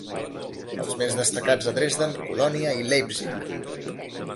Els més destacats a Dresden, Colònia i Leipzig.